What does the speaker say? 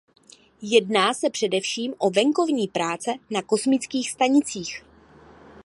Jedná se především o venkovní práce na kosmických stanicích.